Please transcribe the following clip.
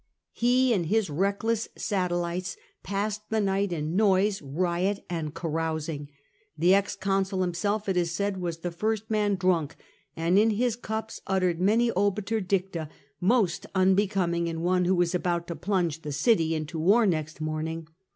He and his reckless satellites passed the night in noise, riot, and carousing ; the ex consul himself, it is said, was the first man drunk, and in his cups uttered many obiter dicta most unbecoming in one who was about to plunge the city into war next morning.